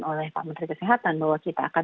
oleh pak menteri kesehatan bahwa kita akan